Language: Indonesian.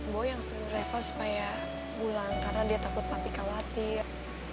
boy yang suruh reva supaya pulang karena dia takut papi khawatir